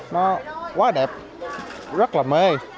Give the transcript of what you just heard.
nó quá đẹp rất là mê